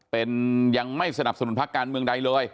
เป็นยังไม่สนับสนุนพักการเมืองใดเลย